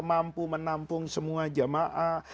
mampu menampung semua jamaah